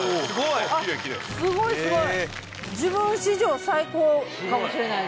すごいすごい。